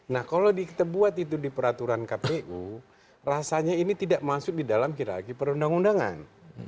nah kalau kita buat itu di peraturan kpu rasanya ini tidak masuk di dalam hirarki perundang undangan